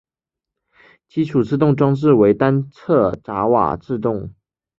基础制动装置为单侧闸瓦制动。